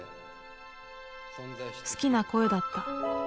好きな声だった